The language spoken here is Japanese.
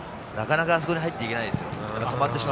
なかなかあそこに入っていけないですよ。